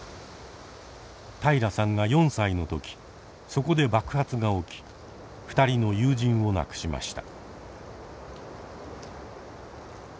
平良さんが４歳の時そこで爆発が起き２人の友人を亡くしました。